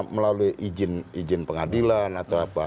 melalui izin izin pengadilan atau apa